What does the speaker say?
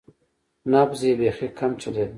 نبض یې بیخي کم چلیده.